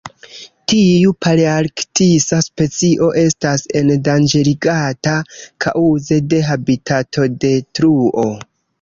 Tiu palearktisa specio estas endanĝerigata kaŭze de habitatodetruo.